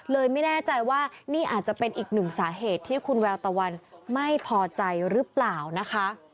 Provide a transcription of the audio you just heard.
ไม่แน่ใจว่านี่อาจจะเป็นอีกหนึ่งสาเหตุที่คุณแววตะวันไม่พอใจหรือเปล่านะคะ